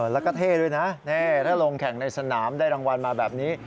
แล้วก็เท่ด้วยนะถ้าลงแข่งในสนามได้รางวัลมาแบบนี้